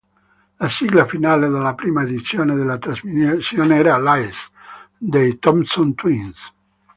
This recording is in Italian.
La sigla finale della prima edizione della trasmissione era "Lies" dei Thompson Twins.